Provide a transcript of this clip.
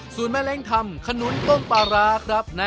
สูตรแม่แรงทำคนนุด้มปลาราครับ